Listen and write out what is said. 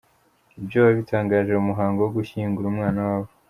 Ibyo babitangaje mu muhango wo gushyingura umwana wabo.